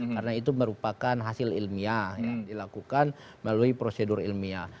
karena itu merupakan hasil ilmiah yang dilakukan melalui prosedur ilmiah